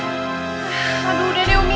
aduh udah deh umi